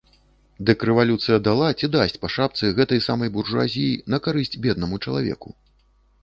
Дык рэвалюцыя дала ці дасць па шапцы гэтай самай буржуазіі, на карысць беднаму чалавеку.